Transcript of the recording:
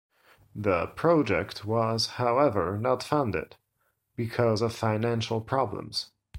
The project was, however, not funded, because of financial problems.